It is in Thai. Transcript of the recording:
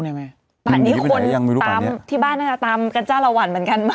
ไหนไหมอันนี้คนยังไม่รู้แปดเนี้ยที่บ้านน่ะตามกันจ้าละวันเหมือนกัน